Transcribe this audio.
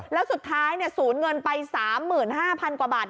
แล้วสุดท้ายสูญเงินไป๓๕๐๐๐กว่าบาท